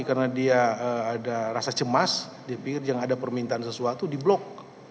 karena dia ada rasa cemas dia pikir jangan ada permintaan sesuatu di blok